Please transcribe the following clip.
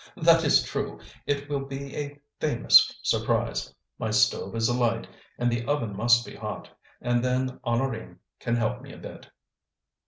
"That's true! it will be a famous surprise. My stove is alight, and the oven must be hot; and then Honorine can help me a bit."